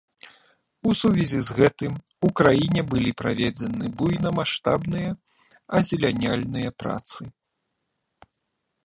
У сувязі з гэтым, у краіне былі праведзены буйнамаштабныя азеляняльныя працы.